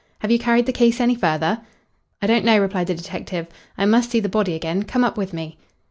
"Have you carried the case any further?" "I don't know," replied the detective. "I must see the body again. Come up with me."